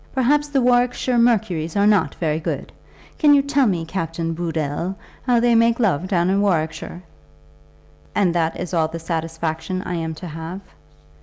Perhaps the Warwickshire Mercuries are not very good. Can you tell me, Captain Booddle, how they make love down in Warwickshire?" "And that is all the satisfaction I am to have?"